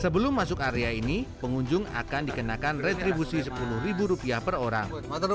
sebelum masuk area ini pengunjung akan dikenakan retribusi sepuluh ribu rupiah per orang